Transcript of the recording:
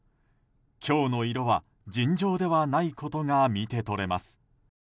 今日の色は尋常ではないことが見てとれます。